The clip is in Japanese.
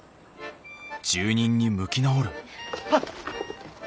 あっ！